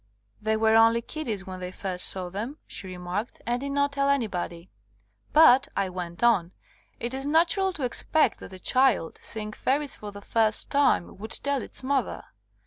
They were only kiddies when they first saw them, she re marked, and did not tell anybody. "But," I went on, "it is natural to expect that a child, seeing fairies for the first time, would tell its mother."